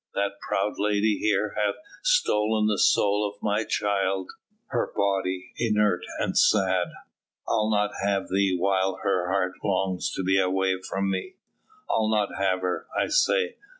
That proud lady here hath stolen the soul of my child; her body, inert and sad, I'll not have the while her heart longs to be away from me. I'll not have her, I say!